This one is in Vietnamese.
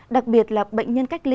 đặc biệt là bệnh nhân cách ly